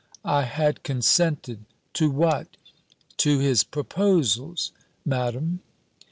"I had consented " "To what?" "To his proposals, Madam."